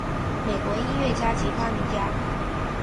美国音乐家及发明家。